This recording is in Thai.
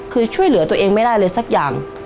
คือช่วยเหลือตัวเองไม่ได้เลยสักอย่าง